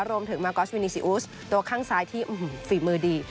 รวมถึงมากอสวินิซิอุสตัวข้างซ้ายที่ฝีมือดี